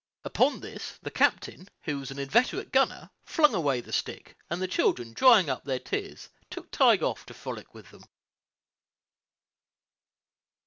Upon this, the captain, who was an inveterate gunner, flung away the stick; and the children, drying up their tears, took Tige off to frolic with them.